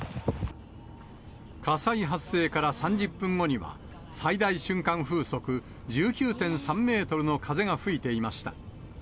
火災発生から３０分後には、最大瞬間風速１９．３メートルの風が吹いていました。